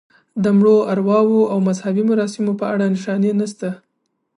د مړو ارواوو او مذهبي مراسمو په اړه نښانې نشته.